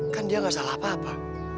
kan dia nggak salah apa apa